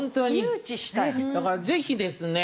だからぜひですね